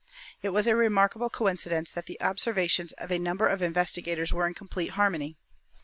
It was a remarkable coincidence that the observations of a number of investigators were in complete harmony.